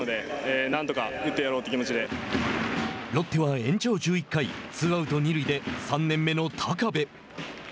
ロッテは延長１１回ツーアウト、二塁で３年目の高部。